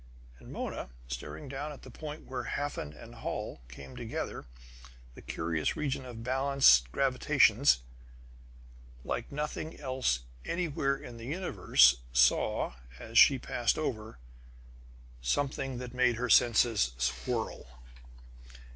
And Mona, staring down at the point where Hafen and Holl came together the curious region of balanced gravitations, like nothing else anywhere in the universe saw, as she passed over, something that made her senses whirl.